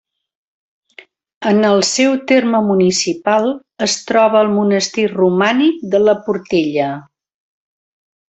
En el seu terme municipal es troba el monestir romànic de la Portella.